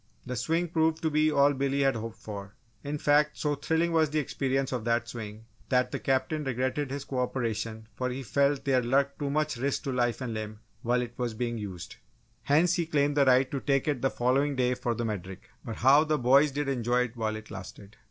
The swing proved to be all Billy had hoped for it. In fact, so thrilling was the experiences of that swing, that the Captain regretted his co operation for he felt there lurked too much risk to life and limb while it was being used. Hence, he claimed the right to take it the following day for the Medric. But how the boys did enjoy it while it lasted!